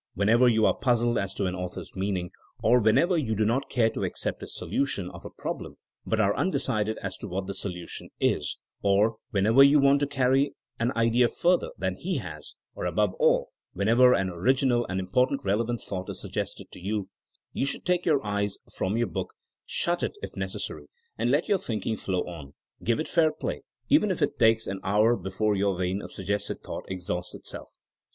Whenever you are puzzled as to an author's meaning, or whenever you do not care to accept his solution of a problem but are undecided as to what the solution is, or whenever you want to carry an idea further than he has, or above all, whenever an original and important relevant thought is suggested to you, you should take your eyes from your book — shut it if necessary — ^and let your thinking flow on; give it fair play, even if it takes an hour before your vein of suggested thought exhausts itself.